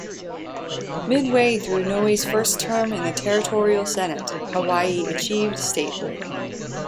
Midway through Inouye's first term in the territorial senate, Hawaii achieved statehood.